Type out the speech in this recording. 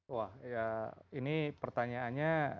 wah ya ini pertanyaannya